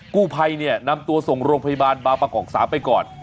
กู้ไภนี่นำตัวส่งโรงพยาบาลบาปะของสาวไปก่อน